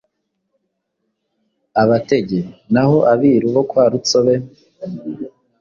Abatege, naho Abiru bo kwa Rutsobe